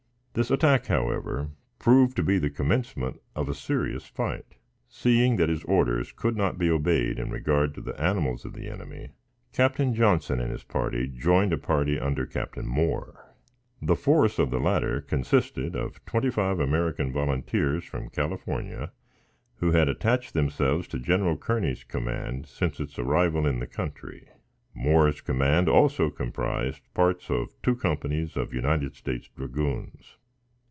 This attack, however, proved to be the commencement of a serious fight. Seeing that his orders could not be obeyed in regard to the animals of the enemy, Captain Johnson and his party joined a party under Captain Moore. The force of the latter consisted of twenty five American volunteers from California, who had attached themselves to General Kearney's command since its arrival in the country. Moore's command also comprised parts of two companies of United States dragoons.